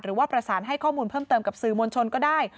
หรือว่าประสานให้ข้อมูลเพิ่มเติมกับสื่อมวลชนก็ได้